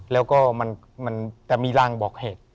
แล้วก็มันจะมีรางบอกเหตุ